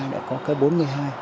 đã có cây bốn mươi hai